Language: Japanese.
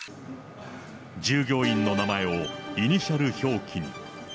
従業員の名前をイニシャル表記に。